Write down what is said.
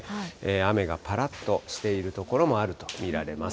雨がぱらっとしている所もあると見られます。